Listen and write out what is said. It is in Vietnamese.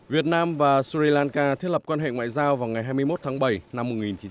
việt nam và sri lanka thiết lập quan hệ ngoại giao vào ngày hai mươi một tháng bảy năm một nghìn chín trăm bảy mươi